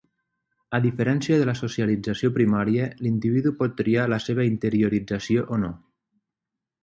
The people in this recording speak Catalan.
A diferència de la socialització primària, l’individu pot triar la seva interiorització o no.